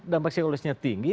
dampak psikologisnya tinggi